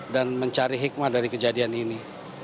dan mencari hikmah dari kejadian ini